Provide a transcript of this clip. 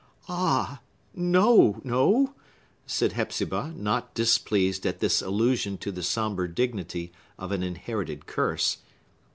"Ah!—no, no!" said Hepzibah, not displeased at this allusion to the sombre dignity of an inherited curse.